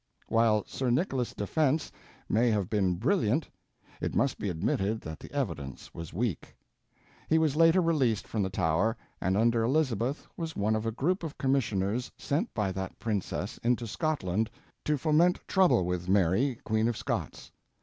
While Sir Nicholas's defense may have been brilliant, it must be admitted that the evidence was weak. He was later released from the Tower, and under Elizabeth was one of a group of commissioners sent by that princess into Scotland, to foment trouble with Mary, Queen of Scots.